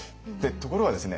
ところがですね